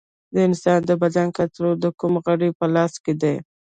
د انسان د بدن کنټرول د کوم غړي په لاس کې دی